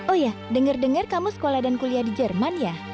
oh ya denger dengar kamu sekolah dan kuliah di jerman ya